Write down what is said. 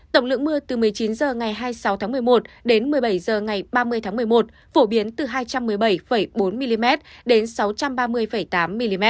tổng lượng mưa từ một mươi chín h ngày hai mươi sáu tháng một mươi một đến một mươi bảy h ngày ba mươi tháng một mươi một phổ biến từ hai trăm một mươi bảy bốn mm đến sáu trăm ba mươi tám mm